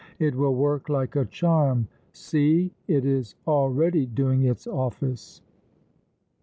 It will work like a charm! See! It is already doing its office!"